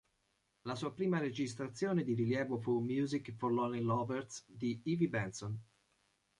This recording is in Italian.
La sua prima registrazione di rilievo fu "Music for Lonely Lovers" di Ivy Benson.